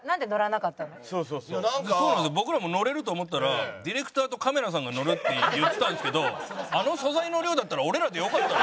僕らも乗れると思ったらディレクターとカメラさんが乗るって言ってたんですけどあの素材の量だったら俺らでよかった。